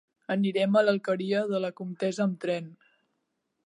Anirem a l'Alqueria de la Comtessa amb tren.